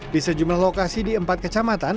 di sejumlah lokasi di empat kecamatan